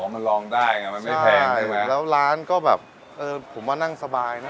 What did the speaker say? มันลองได้ไงมันไม่แพงใช่ไหมแล้วร้านก็แบบเออผมว่านั่งสบายนะ